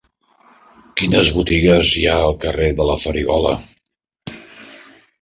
Quines botigues hi ha al carrer de la Farigola?